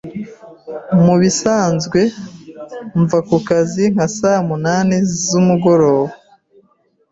Mubisanzwe mva kukazi nka saa munani z'umugoroba.